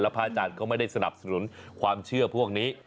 พระอาจารย์ก็ไม่ได้สนับสนุนความเชื่อพวกนี้